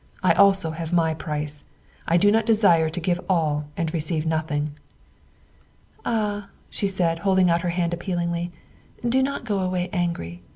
I also have my price. I do not desire to give all and receive nothing." , "Ah," she said, holding out her hand appealingly, 1 ' do not go away angry.